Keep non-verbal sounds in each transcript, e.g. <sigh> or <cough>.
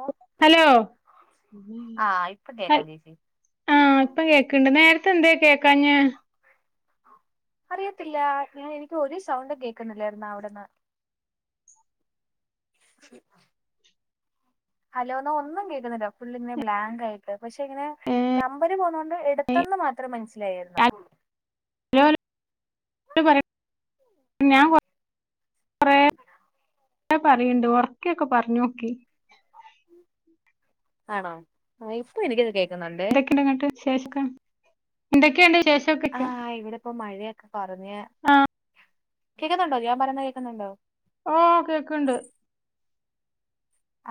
ഓ hello ആഹ് ഇപ്പൊ കേക്കാം ചേച്ചി ആ ഇപ്പം കേക്ക്ണ്ട് നേരത്തെ എന്തേകേക്കാഞ്ഞേ അറിയത്തില്ല ഞാൻ എനിക്ക് ഒര്സൗണ്ടും കേക്കുന്നില്ലായിരുന്നുഅവിട്ന്ന് ഹലോന്നോഒന്നും കേക്കുന്നില്ല ഫുൾങ്ങനെ ബ്ലാങ്ക് ആയിട്ട് പക്ഷെ ഇങ്ങനെ നമ്പര് പോന്ന കൊണ്ട് എടുത്തന്ന് മാത്രം മനസ്സിലായിരുന്നു ഹലോ ഹലോ കൊറെ പറയണ്ട് ഉറക്കൊക്കെ പറഞ്ഞേ ക്കി ആണോ ആ ഇപ്പൊ എനിക്കിത് കേക് എന്തൊക്കെയുണ്ട്ങ്ങട്ട് വിശേഷംക്കെ എന്തൊക്കെയുണ്ട് ആ ഇവിടെ ഇപ്പോ മഴാ പറഞ്ഞ ആഹ് കേൾക്കുന്നുണ്ടോ ഞാൻ പറയുന്ന കേൾക്കുന്നുണ്ടോ ഓ കേക്ക്ണ്ട്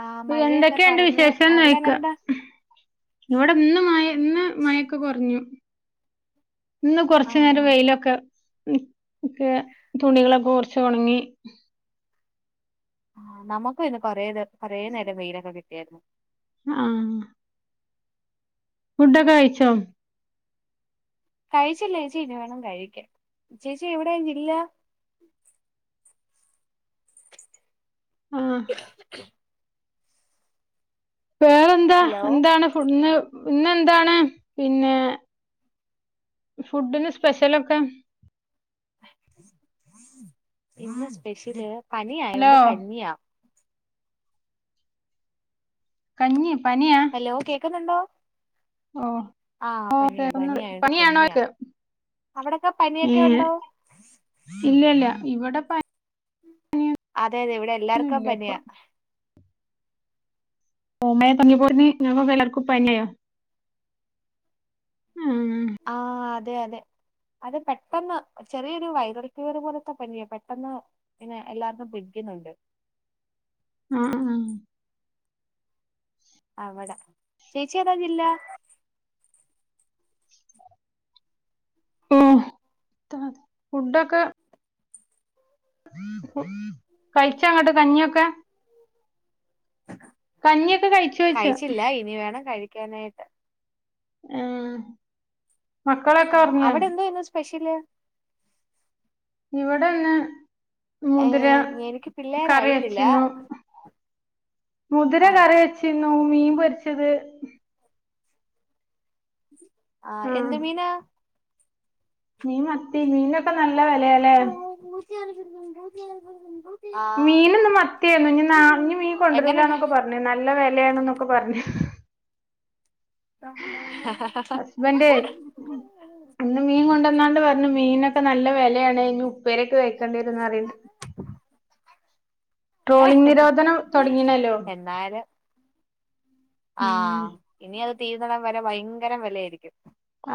ആഹ് മഴയൊക്കെ എന്തൊക്കെയുണ്ട് കുറഞ്ഞ് വിശേഷംന്ന് അവിടെ ചേയിക്കാ എങ്ങനെയുണ്ട് ഇവിടെ ഇന്ന് മഴ ഇന്ന് മഴൊക്കെ കുറഞ്ഞു ഇന്ന് കൊറച്ചു നേരം ആഹ് വെയിലൊക്കെ ക്കെ തുണികളൊക്കെ കുറച്ച് ഉണങ്ങി ആ നമുക്ക് ഇന്ന് കൊറേ കൊറേ നേരം വെയിലൊക്കെ കിട്ടിയായിരുന്നു ആ ഫുഡൊക്കെ കഴിച്ചോ കഴിച്ചില്ല ചേച്ചി ഇനി വേണം കഴിക്കാൻ ചേച്ചി എവിടെ ഇില്ല ആ വേറെ എന്താ ഹലോ എന്താണ് ഫുഡന്ന് ഇന്നെന്താണ് പിന്നെ ഫുഡിന്ന് സ്പെഷ്യലൊക്കെ ഇന്ന് സപെഷൽ ഹലോ പനിയായോണ്ട് കഞ്ഞിയാ കഞ്ഞി പനി ഹലോ കേക്കുന്നുണ്ടോ ഓഹ് ആഹ് ഓഹ് പനിയ കേൾക്കുന്നുണ്ട്. പനിയായോണ്ട് കഞ്ഞിയാ പനിയാണോയ്ക്ക? അവിടൊക്കെ പനിയൊക്കെ ഏഹ് ഉണ്ടോ? ഇല്ലല്ല ഇവിടെ പനി അതെ അതെ ഇവിടെ എല്ലാർക്കും ഇപ്പൊ. പനിയാ ഓമ്മ പറഞ്ഞിയപ്പോ ഞ വിലർക്കുംപ്പന്നായോ ആ അത് അതെ അതെ അത് പെട്ടന്ന് ചെറിയൊരു വൈറൽഫീവർ പോലത്തെ പനിയെ പെട്ടെന്ന് പിന്നെ എല്ലാർക്കും പിടിക്കുന്നുണ്ട് ആഹ് ആഹ് അവിട ചേച്ചി ഏതാ ജില്ല ഓ <inaudible> ഫുഡൊക്കെ ഫു കഴിച്ച അങ്ങോട്ട് കഞ്ഞിയൊക്കെ കഞ്ഞിയൊക്കെ കഴിച്ച് വെച്ച് എനായിട്ട് ആഹ് മക്കളൊക്കെ ഉറങ്ങിയോ ഇിൽ ഇവിടെന്ന് മുതിര ഏഹ് എനിക്ക് കറി പിള്ളേരായിട്ടില്ല വച്ചിരുന്നു മുതിര ആഹ് കറി വെച്ചിരുന്നു ന്നോ മീൻ പൊരിച്ചത് ആഹ് എന്ത് മീന മീൻ മത്തി മീൻൊക്കെ നല്ല ല്ല വിലല്ലേ? <inaudible> മീനൊന്നും മത്തിയായിരുന്നു ഇനി നാ ഇ മീൻ എങ്ങനെണ്ട് കൊണ്ടുവരലന്നൊക്കെ പറഞ്ഞു നല്ല വിലയാണ് എന്നൊക്കെ പറഞ്ഞു ഹസ്ബൻഡ് ഇന്ന് മീൻ കൊണ്ടുവന്നാണ്ട് പറഞ്ഞു മീനൊക്കെ നല്ല വിലയാണ് ഇനി ഉപ്പേരക്കെ കഴക്കേണ്ടി വരുന്ന് അറിയണ്ട് ഏഹ് ട്രോളിങ് നിരോധനം തുടങ്ങിണിണല്ലോ എന്നാലും ആഹ് ഇനി അത് തീർന്നണം വരെ ഭയങ്കരം വിലയായിരിക്കും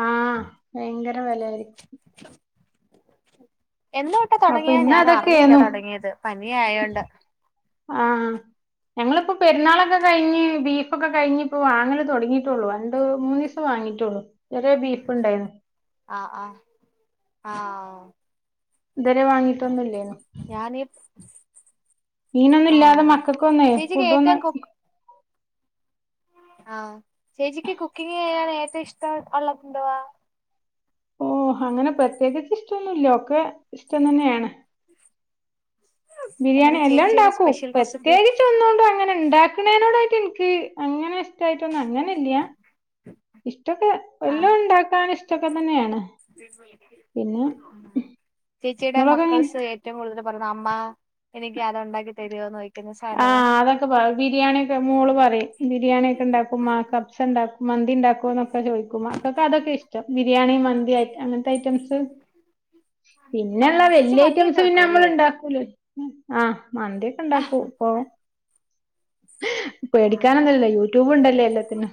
ആഹ് ഭയങ്കര വിലായിരിക്കും എന്തോട്ടെ അപ്പൊ തുടങ്ങിയാ ഇന്ന് ഞാൻ അറിഞ്ഞില്ല അതൊക്കെയാന്നു തുടങ്ങിയത് പനിയ ആയോണ്ട് ഞങ്ങളിപ്പോൊൾ പെരുന്നാളൊക്കെ കഴിഞ് ബീഫൊക്കെ കഴിഞ്ഞ് ഇപ്പോ വാങ്ങാല് തുടങ്ങീട്ടുള്ളു രണ്ട് മൂന്ന് ദിവസം വാങ്ങിട്ടുള്ളു ചെറ ബീഫ് ഇണ്ടായിരുന്നു ആഹ് ആഹ് ആഹ് ഇതുവരെ വാങ്ങീട്ടൊന്നല്ലേനു ഞാനീ മീനൊന്നും ഇല്ലാതെ ആഹ് മക്കൾക്കൊന്നേ ചേച്ചിക്ക് ഫുഡൊന്ന് ആ ചേച്ചിക്ക് കുക്കിംഗൻ ഏറ്റ ഇഷ്ടം ഉള്ളത് ന്തുവാ ഓ അങ്ങനെ പ്രത്യേകിച്ച് ഇഷ്ടൊന്നുമല്ല ഒക്കെ ഇഷ്ടം തന്നെയാണ് ബിരിയാണി എന്നാലും എല്ലാ ചേച്ചിയുടെ ണ്ടാക്കും സ്പെഷ്യൽ റെസിപ്പി പ്രത്യേകിച്ച് ഒന്നോ ണ്ടും അങ്ങനെ ഇണ്ടാക്കണേനോട് വെ ത്തിൻക്ക് അങ്ങനെ ഇഷ്ടായിട്ടൊന്നും അങ്ങനെല്ല്യാ ഇഷ്ടൊക്കെ ആഹ് എല്ലോം ണ്ട പിന്നെ ചേച്ചിയുടെ നിങ്ങളൊക്കെ എങ്ങനെ മക്കൾസ് ഏറ്റവും കൂടുതൽ പറയുന്ന അമ്മ എനിക്ക് അതുണ്ടാക്കി തരോന്ന് ചോ ആഹ് അതൊക്കെ പറ ബിരിയാണ്യൊക്കെ മോള് പറിം ബിരിയാണ്യെക്കെ ണ്ടാക്കുമ്മ കപ്സണ്ടാക്കും മന്തി ണ്ടാക്കോ ന്നൊക്കെ ചോയ്ക്കും മക്കക്ക അതൊക്കെ ഇഷ്ടം ബിരിയാണി, മ ന്തിയായിട്ട് അങ്ങൻത്തയ്റ്റംസ് പിന്നെള്ള ആഹ് ചേച്ചി വെല്ല്യ മന്തിയൊക്കെ ഐറ്റംസ് പിന്നെ വെക്കുവല്ലേ അമ്മള്ണ്ടാക്കൂ ലലോ ആഹ് മന്ത്യൊക്കെ ആ ണ്ടാക്കും. എ പേടിക്കാനൊന്നൂല്ലല്ലോ യൂട്യൂബ് ണ്ടല്ലേ എല്ലാത്തിനും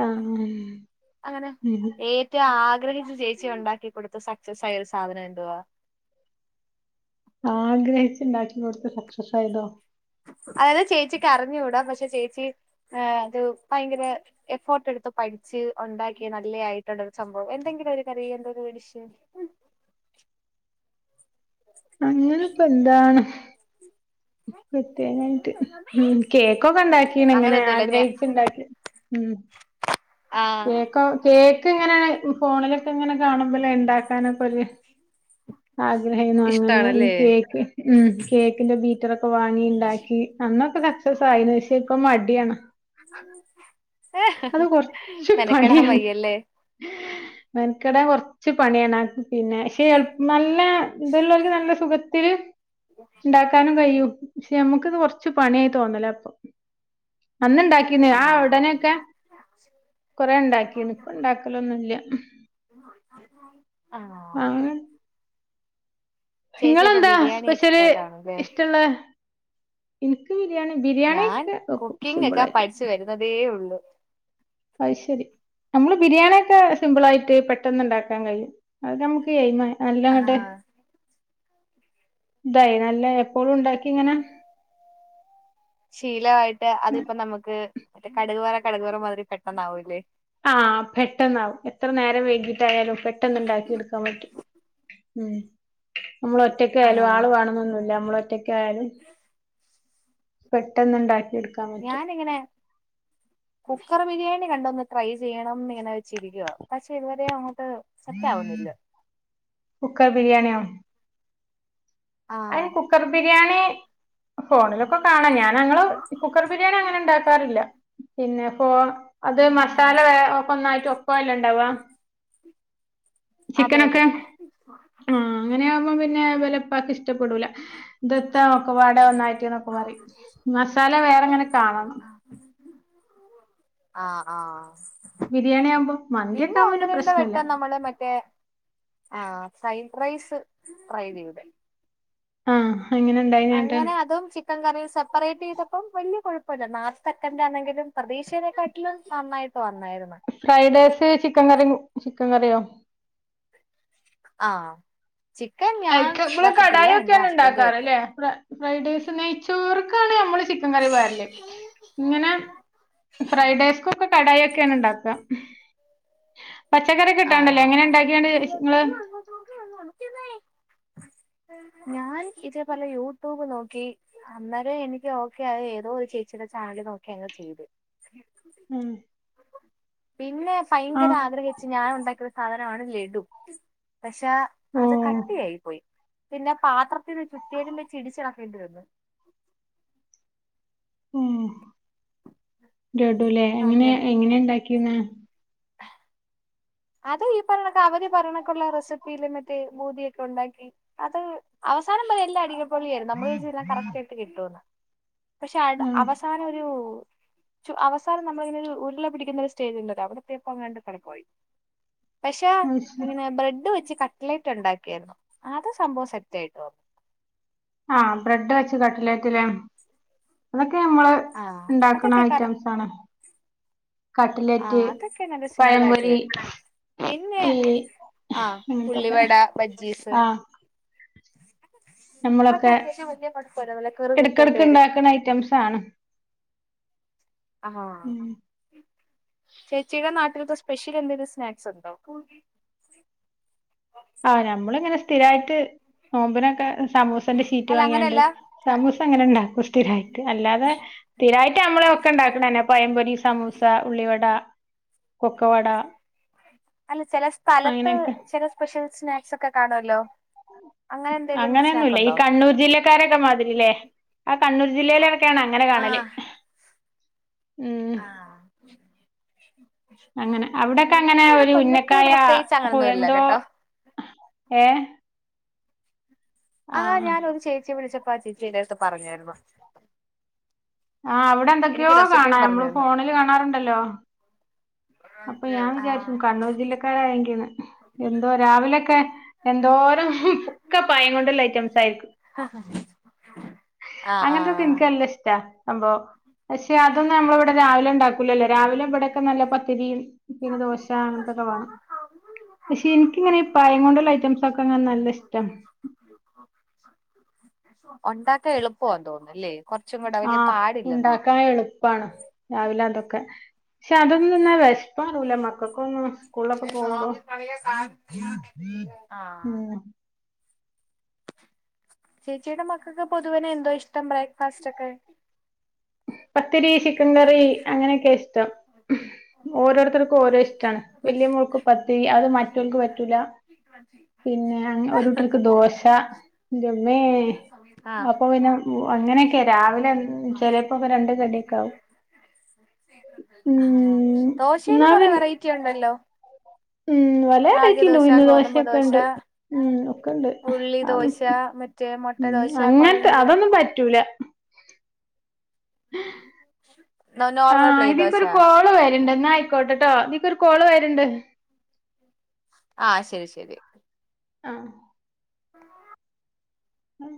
ആഹ് അങ്ങനെ ഉം ഏറ്റവും ആഗ്രഹിച്ചു ചേച്ചി ഉണ്ടാക്കി കൊടുത്ത സ സ സൈൽ സാധനം എന്തുവാ? ആഗ്രഹിച്ച് ഇണ്ടാക്കി കൊടുത്ത് സക്സസ് ആയതോ അഅ് ചേച്ചിക്ക് അറിഞ്ഞൂടാ പക്ഷെ ചേച്ച് ഇത് ആത് ഭയങ്കര എഫോർട്ടട്ത്ത് പഠിച്ച് ഒണ്ടാക്കിയ നല്ല്യായിട്ടുള്ളൊരു സംഭവം എന്തെങ്കിലും ഒരു കരിയർ ന്റെരു എഡിഷൻ അങ്ങനെ ഇപ്പൊ എന്താണ് പ്രത്യേകായിട്ട് ഉം കേക്കൊക്കെ ണ്ടാക്കീണ് ഇങ്ങനെ അങ്ങനെയൊന്നുമില്ല ഞാൻ ആഗ്രഹിച്ച്ണ്ടാക്കി ഉം ആ കേക്കോ കേക്ക് ങ്ങനെ ഫോണിലൊക്കെ ങ്ങനെ കാണുമ്പലെ ഇണ്ടാക്കാനൊക്കൊര് ആഗ്രഹേന്നു അങ്ങനെ ഈ ഇഷ്ടാണല്ലേ കേക്ക് ഉം കേക്കിന്റെ ബീ പണി ഇണ്ടാക്കി അന്നൊക്- പ്പ സക്സസ് ആയിന് ഷെ ഇപ്പ മടിയാണ് അത് കൊറച്ച് മെനക്കെടാൻ പണ്യാണ് വയ്യല്ലേ മെനകെടാൻ കൊറ ച്ച് പണിയാണ് പിന്നെ ക്ഷെ നല്ല ഇത് ല്ലോൽക്ക് നല്ല സുഖത്തില് ഇണ്ടാക്കാനും കഴിയും പക്ഷെ നമ്മക്ക് ഇത് കൊറച്ച് പണിയായി തോന്നല പ്പൊ അന്ന് ഉണ്ടാക്കിന്നേ ആ ഉടനെ കൊറെ ഇണ്ടാക്കിനിപ്പ ഇണ്ടാക്കലൊന്നുമില്ല ആ മാ ചേച്ചി അപ്പൊ നിങ്ങളെന്താ ബിരിയാണി സ്പെഷ്യല് എക്സ്പേർട്ട് ആണല്ലേ ഇഷ്ടാ ഉള്ളെ എനിക്ക് ബിരിയാണി ബിരിയാണി ഞാൻ ഒക്കെ വെക്കും കുക്കിംഗ് ഒക്കെ സിമ്പിളായിട്ട് പഠിച്ചു വരുന്നതേ ഉള്ളൂ അത് ശരി നമ്മള് ബിരിയാണിയൊക്കെ സിമ്പിളായിട്ട് പെട്ട ട്ടന്ന് ഉണ്ടാക്കാൻ കഴിയും അത് നമുക്ക് എയിമ് നല്ല അങ്ങട്ട് ആ ഇതായി നല്ല എപ്പോഴും ഉണ്ടാക്കി ഇങ്ങനെ ശീലവായിട്ട് അതിപ്പോ നമുക്ക് മറ്റേ കടക് വറ കടകു വറ മാതിരി പെട്ടന്ന് ആവൂവല്ലേ ആഹ് പെട്ടെന്നാവും എത്ര നേരം വൈകിട്ടായാലും പെട്ടെന്നുണ്ടാക്കി എടുക്കാൻ പറ്റു <unintelligible> നമ്മൾ ഒറ്റക്കായാലും ആഹ് ആള് വേണോന്നോനുവില്ല നമ്മള് ഒറ്റക്കായാലും പെട്ടെന്ന് ഉണ്ടാക്കി ഞാനിങ്ങനെ കുക്കർ ബിരിയാണി കണ്ട ഒന്ന് ട്രൈ ചെയ്യണം ഇങ്ങനെ വെച്ചിരിക്കുക പക്ഷെ ഇതുവരെ സെറ്റ് ആവുന്നില്ല കുക്കർ ബിരിയാണിയോ ആയിൻ ആഹ് കുക്കർ ബി രിയാണി ഫോണിലൊക്കെ കാണാം ഞാൻ ഞങ്ങള് കുക്കർ ബിരിയാണി അങ്ങനെ ഉണ്ടാക്കാറില്ല പിന്നെപ്പോ അത് മസാല ഒന്നായിട്ട് ഒപ്പല്ല ഉണ്ടാവ അതെ അതെ ചിക്കനൊക്കെ ആ അങ്ങനെയവുമ്പോ പിന്നെ വെല്ല ഇഷ്ടപ്പെടൂല ദത്ത നൊക്കെ വാട ഒന്നായിട്ടി എന്നൊക്കെ പറയും മസാല വേറെങ്ങനെ കാണണം ആഹ് ആഹ് ബിരിയാണി ആവുമ്പോ മന്തിയൊക്കെ ആവുമ്പോ ഒന്ന് പിന്നെ രണ്ട് പ്രശ്നല്ല വട്ടം നമ്മള് മറ്റേ ആഹ് ഫ്രൈഡ് റൈസ് ട്രൈ ചെയ്തുടെ ആ എങ്ങനെ ഉണ്ടായിനേട്ട് അങ്ങനെ അതും ചിക്കൻ കറിയും സെപ്പറേറ്റ് ചെയ്തപ്പം വലിയ കുഴപ്പമില്ല നാല് സെക്കൻന്റെ ആണെങ്കിലും പ്രതീക്ഷയനെക്കാട്ടിലും നന്നായിട്ട് പറഞ്ഞു fried rice chicken curry chicken കറിയോ ആ അക്ക കടായൊക്കെയാണ് ഹസ്ബൻഡ് വെക്കും ഉണ്ടാക്കാറല്ലേ ഇവടെ ഫ്രൈഡേസ് നെയച്ചോർക്കാണ് നമ്മള് ചിക്കൻ കറി വരാല് ഇങ്ങന ഫൈ ഡ്രൈസ് ക്കും കാടായ്ക്ക് ഇതൊക്കെയാണ് ഉണ്ടാക്ക ആ ഞാൻ ഇതേപല യൂട്യൂബ് നോക്കി അന്നേരം എനിക്ക് ഓക്കെ ആയാ ഏതോ ഒരു ചേച്ചിയുടെ ചാനല് നോക്കി അങ്ങ് ചെയ്ത് ഉം പിന്നെ ആ ഭയങ്കര ആഗ്രഹ ഉണ്ടാക്കുന്ന സാധനവാണ് ലഡു പക്ഷെ ഓ അത് കട്ടിയായി പോയി പിന്നെ പാത്രത്തിന് ചുറ്റലും വച്ച് ഇടിച്ച് ഇളേക്കേണ്ടി വന്നു ലെഡുല്ലെ എങ്ങനെ അങ്ങനെ എങ്ങനെയാ ഉണ്ടാക്കിയോ ക്കി ന്ന അത് ഈ പറഞ്ഞൊണക്കെ അവര് പറഞ്ഞൊക്കെുള്ള റെസിപ്പിയിലെ മറ്റേ ബൂതിയൊക്കെ ഉണ്ടാക്കി അത് അവസാനം വരെ എല്ലാം അടിക പൊളിയും നമ്മള് വിചാരിച്ചു എല്ലാം കറട് ആയിട്ട് കിട്ടുമെന്ന് പക്ഷെ അവസാനം ഒരു അവസാനം നമ്മളിങ്ങനൊരു ഉരുള പിടിക്കുന്നൊരു സ്റ്റേജ് ഉണ്ടല്ലോ അവിടെ എത്തിയപ്പം എങ്ങാണ്ട് തകർന്നു പോയി പക്ഷെ ഇങ്ങനെ ബ്രെഡ് വെച്ച് കട്ട കട്ലൈറ്റ് ഉണ്ടാക്കിയരുന്നു ആത് സംഭവം സെറ്റായിട്ടോ ആ ബ്രെഡ് വെച്ച് കടലേറ്റിലെ നമ്മള് ആഹ് ഉണ്ടാക്കണ ഐറ്റംസ് ആണ് ആ കട്ട്ലേറ്റ് അതൊക്കെ നല്ല സിമ്പിൾ ആയിട്ട് പഴംപൊരി വരും പിന്നെ ഈ ആ അങ്ങനത്തൊക്കെ ഉുള്ളിവട ബജ്ജീസ് ആ അതൊക്കെ നമ്മളൊക്കെ അത്യാവശ്യം വലിയ കുഴപ്പമില്ല നല്ല കീറു കൃത്യായിട്ട് ഇടക്കിടക്ക വരും ഉണ്ടാക്കുന്ന ഐറ്റംസാണ് ആ ആ ചേച്ചിയുടെ നാട്ടിലത്തെ സ്പെഷ്യൽ എന്തെങ്കിലും സ്നാക്സ് ഉണ്ടോ ആ ഞമ്മള ഇങ്ങനെ സ്ഥിരായിട്ട് നോമ്പി നൊക്കെ സമൂസന്റെ ചീറ്റ് അല്ല വാങ്ങിയണ്ട് അങ്ങനെയല്ല സമൂസ അങ്ങനെ ഇണ്ടാക്കും സ്ഥിരമായിട്ട് അല്ലാതെ സ്ഥിരമായിട്ട് നമ്മള ഒക്കെ ഉണ്ടാക്കണന്നെ പയംപൊരി സമൂസ ഉള്ളിവട കൊക്കവട അല്ല ചെല സ്ഥലത്ത് അങ്ങനെയൊക്കെ ചെല സ്പെഷൽ സ്നാക്സ് ഒക്കെ കാണുവല്ലോ അങ്ങനെയൊന്നുല്ല ഈ കണ്ണൂർ ജില്ലക്കാരൊക്കെ മാതിരില്ലേ അ കണ്ണൂർ ജില്ലയിലൊക്കെയാണ് അങ്ങനെ കാണല്. ആഹ് ഉം ആഹ് അങ്ങനെ അവിടെക്കെ എങ്ങനെ ഞങ്ങക്കിവിടെ ഒരു കൊല്ലത്ത് ഉന്നക്കായ പ്രത്യേകിച്ച് അങ്ങനൊന്നും ഇല്ല എന്തോ കേട്ടോ ഏഹ് ആ ആഹ് ഞാനൊരു ചേച്ചിയെ വിളിച്ച പ്പാ ആ ചേച്ചി എന്റെ അടുത്ത് പറഞ്ഞാരുന്നു. ആ അവടെ എന്തൊക്കെയോ കാണാ പറഞ്ഞു നമ്മള് തന്നു ഫോണില് കാണാറുണ്ടല്ലോ? അപ്പോ ഞാൻ ആഹ് വിചാരിച്ചു കണ്ണൂർ ജില്ലക്കാരായങ്കിന്ന് എന്തോ രാവിലെക്കെ എന്തോരം ഒക്കെ പയം കൊണ്ടുള്ള ഐറ്റംസ് ആയിരിക്കും, ആഹ് അങ്ങനത്തൊക്കെ ഇനിക്ക് നല്ല ഇഷ്ട്ടാ. സംഭവം പക്ഷേ അ തൊന്നും നമ്മളെ ഇവിടെ രാവിലെ ഇണ്ടാക്കൂലല്ലോ രാവിലെ ഇവടെ ക്കെ നല്ല പ ത്തിരിയും പിന്നെ ദോ ശ അ ങ്ങൻത്തൊക്കെ വേണം പക്ഷേ എനിക്കിങ്ങനെ ഈ പയം ആഹ് കൊണ്ടുള്ള ഐറ്റംസൊക്കെ അങ്ങനെ നല്ല ഇഷ്ട്ടാ. ഉണ്ടാക്കാൻ എളുപ്പവാന്ന് തോന്നുന്നല്ലേ? കൊറച്ചും കൂടെ ആ വലിയ പാടില്ലെന്ന് തോന്നുന്നു ഉണ്ടാക്കാൻ എളുപ്പാണ് രാവിലെ അതൊക്കെ കെ പക്ഷെ അതൊന്നുന്നാ വെശ് പ്പാറൂല മക്കക്കൊന്നും സ്കൂൾലൊക്കെ പോകുമ്പോ ആഹ് ഉം ചേച്ചിയുടെ മക്കക്ക് പൊതുവനെ എന്തോ ഇഷ് ഷ്ടം ബ്രേക്ഫാസ്റ്റോക്കെ പത്തിരി ചിക്കൻ കറി അങ്ങനെയൊക്കെ ഇഷ്ടം ഓരോരുത്തർക്കും ഓരോ ഇഷ്ടാണ് വല്യ മിക്സ് മോൾക്ക് പത്തിരി അത് മറ്റോൽക്ക് പറ്റൂല പിന്നെ ഒരൂട്ടർക്ക് ദോശ ന്റമ്മേ ആഹ് അപ്പൊ പിന്നെ അങ്ങനെയൊക്കെ രാവിലെ ചെലെ രണ്ട് കടിയൊക്കാവും ദോശയില് എന്നാ കൊറെ പിൻ വെറൈറ്റി ഉണ്ടല്ലോ ഉം വലേ റാഗി റേറ്റിണ്ട് ദോശ ഉഴുന്ന് ഗോതമ്പ് ദോശ ദോശൊക്കെണ്ട് ഉം ഒക്കെണ്ട് ഉള്ളി ആന്നും ദോശ മറ്റേ മൊട്ട ഉം ദോശ കൊറേ അങ്ങൻത്തെ ഉണ്ടല്ലോ അതൊന്നും പറ്റൂല ആ നോർമൽ പ്ലെയിൻ ഇതീക്ക് ദോശ ഒരു കോള് വര്ണ്ട് ന്നായ്ക്കോട്ടെട്ടോ ഇതീക്കൊരു കോള് വര്ണ്ട് ആ ശരി ശരി ആഹ അം